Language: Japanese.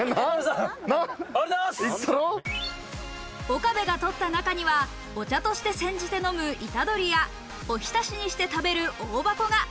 岡村と採った中にはお茶、そして煎じて飲むイタドリやおひたしにして食べるオオバコが。